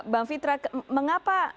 bang fitra mengapa